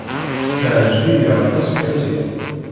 Teɛjeb-iyi aṭas Cathy.